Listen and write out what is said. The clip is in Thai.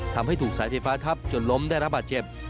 ทำให้ถูกสายไฟฟ้าทับจนล้มได้รับบาดเจ็บ